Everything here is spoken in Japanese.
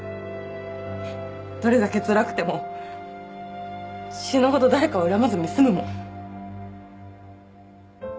どれだけつらくても死ぬほど誰かを恨まずに済むもん。